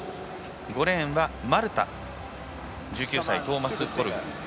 ５レーンはマルタ１９歳、トーマス・ボルグ。